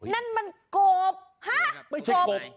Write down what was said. นั่นมันกบฮะไม่ใช่กบ